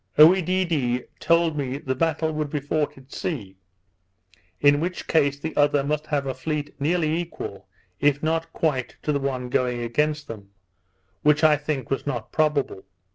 Oedidee told me the battle would be fought at sea; in which case the other must have a fleet nearly equal, if not quite, to the one going against them; which I think was not probable.